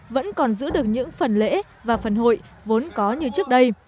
vẫn còn giữ được những phần lễ và phần hội vốn có như trước đây